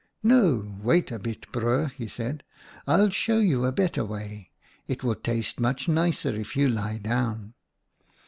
"' No, wait a bit, Broer,' he said. ' I'll show you a better way. It will taste much nicer if you lie down.'